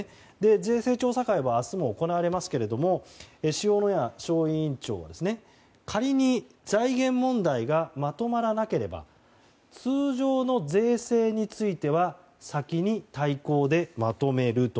税制調査会は明日も行われますけども塩谷小委員長、仮に財源問題がまとまらなければ通常の税制については先に大綱でまとめると。